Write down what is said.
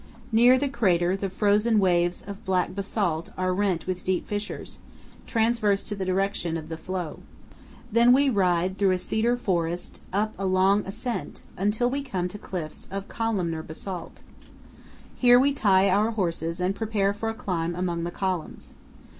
Near the crater the frozen waves of black basalt are rent with deep fissures, transverse to the direction, of the flow. Then we ride through a cedar forest up a long ascent, until we come to cliffs of columnar basalt. Here we tie our horses and prepare for a climb among the columns.